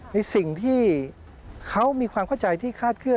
ในสิ่งที่เขามีความเข้าใจที่คาดเคลื